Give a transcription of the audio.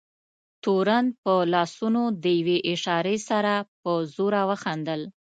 تورن په لاسونو د یوې اشارې سره په زوره وخندل.